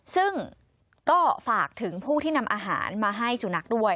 ซึ่งก็ฝากถึงผู้ที่นำอาหารมาให้สุนัขด้วย